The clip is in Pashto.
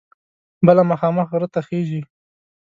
بله مخامخ غره ته خیژي.